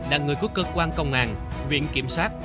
là người của cơ quan công an viện kiểm soát